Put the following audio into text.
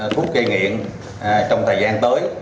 thuốc gây nghiện trong thời gian tới